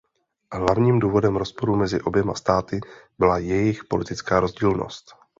Hlavním důvodem rozporů mezi oběma státy byla jejich politická rozdílnost.